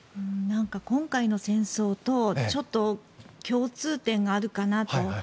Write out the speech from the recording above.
今回の戦争とちょっと共通点があるかなと。